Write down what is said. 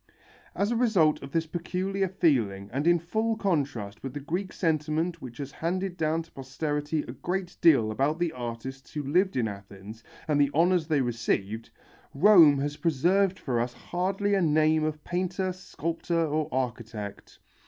As a result of this peculiar feeling and in full contrast with the Greek sentiment which has handed down to posterity a great deal about the artists who lived in Athens and the honours they received, Rome has preserved for us hardly a name of painter, sculptor or architect.